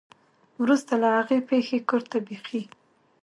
ورورسته له هغې پېښې کور ته بېخي